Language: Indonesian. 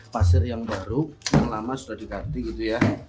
pasir yang baru yang lama sudah diganti gitu ya